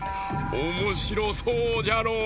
おもしろそうじゃろう？